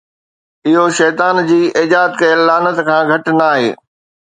اهو شيطان جي ايجاد ڪيل لعنت کان گهٽ ناهي.